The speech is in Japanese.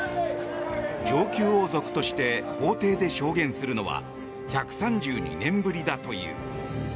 上級王族として法廷で証言するのは１３２年ぶりだという。